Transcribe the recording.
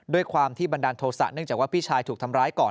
ด้วยความที่บันดาลโทษะเนื่องจากว่าพี่ชายถูกทำร้ายก่อน